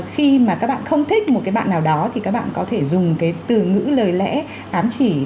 khi mà các bạn không thích một cái bạn nào đó thì các bạn có thể dùng cái từ ngữ lời lẽ ám chỉ